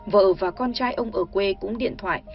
vợ và con trai ông ở quê cũng điện thoại